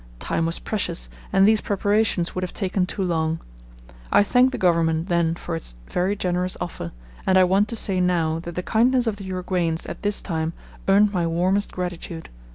Time was precious and these preparations would have taken too long. I thanked the Government then for its very generous offer, and I want to say now that the kindness of the Uruguayans at this time earned my warmest gratitude.